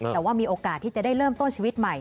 แต่ว่ามีโอกาสที่จะได้เริ่มต้นชีวิตใหม่